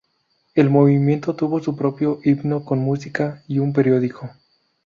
El movimiento tuvo su propio himno con música y un periódico.